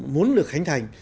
muốn được khánh thành